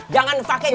jangan pake getar